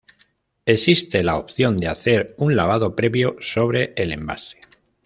Existe la opción de hacer un lavado previo sobre el envase.